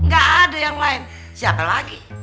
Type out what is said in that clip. gak ada yang lain siapa lagi